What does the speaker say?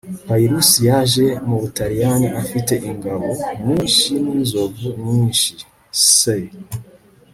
Pyrhus yaje mu Butaliyani afite ingabo nyinshi ninzovu nyinshi s